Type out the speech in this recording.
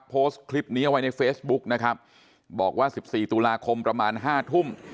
โพสต์คลิปนี้เอาไว้ในเฟซบุ๊กนะครับบอกว่าสิบสี่ตุลาคมประมาณห้าทุ่ม